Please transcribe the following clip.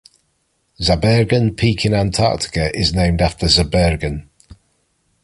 Zabergan Peak in Antarctica is named after Zabergan.